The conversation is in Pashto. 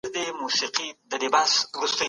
قانون بايد پلی سي.